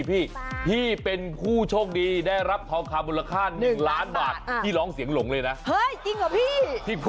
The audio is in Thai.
พี่พูดประโยคนั้นออกมาเลยพี่จำได้ไหม